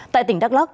tại tỉnh đắk lắk